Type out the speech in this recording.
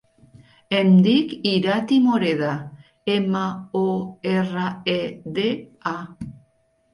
Em dic Irati Moreda: ema, o, erra, e, de, a.